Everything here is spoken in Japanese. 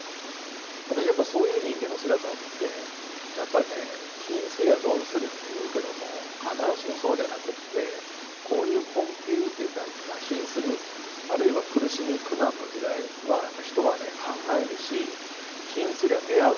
私やっぱりそういう人間の姿を見てやっぱりね「貧すりゃ鈍する」っていうけども必ずしもそうじゃなくってこういう困窮っていうか貧するあるいは苦しみ苦難の時代はやっぱり人はね考えるし貧すりゃ出会う。